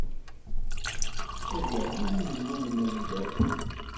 Ad iɣli win innumen ajdab.